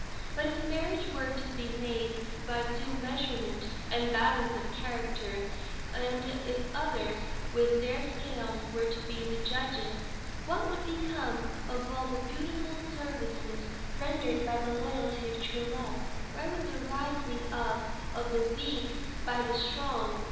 But if marriage were to be made by due measurement and balance of character, and if others, with their scales, were to be the judges, what would become of all the beautiful services rendered by the loyalty of true love? Where would be the raising up of the weak by the strong?